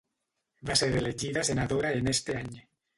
Va ser elegida senadora en este any.